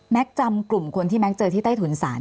แม็กซ์จำกลุ่มคนที่แม็กซ์เจอที่ใต้ถุนสาร